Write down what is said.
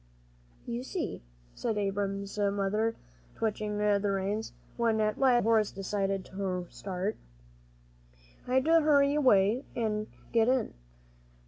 "You see," said Abram's mother, twitching the reins, when at last the old horse decided to start, "I had to hurry away an' get in.